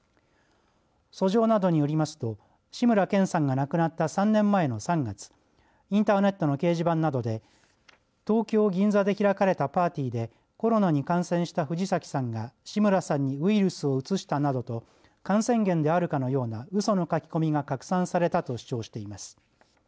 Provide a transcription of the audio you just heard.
訴状などによりますと志村けんさんが亡くなった３年前の３月インターネットの掲示板などで東京銀座で開かれたパーティーでコロナに感染した藤崎さんが志村さんにウイルスをうつしたなどと感染源であるかのようなうその書き込みが拡散されたと主張しています。